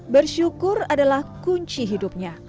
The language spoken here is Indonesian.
bersyukur adalah kunci hidupnya